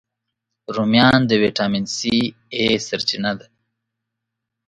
رومیان د ویټامین A، C سرچینه ده